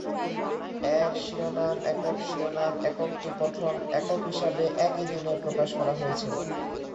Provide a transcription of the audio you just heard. এর শিরোনাম একক শিরোনাম এককটি প্রথম একক হিসেবে একই দিনে প্রকাশ করা হয়েছিল।